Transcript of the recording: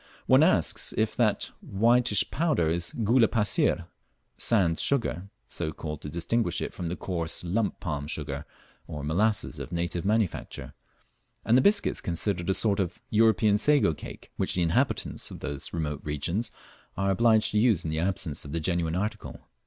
One asks if that whitish powder is "gula passir" (sand sugar), so called to distinguish it from the coarse lump palm sugar or molasses of native manufacture; and the biscuit is considered a sort of European sago cake, which the inhabitants of those remote regions are obliged to use in the absence of the genuine article.